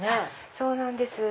そうなんです。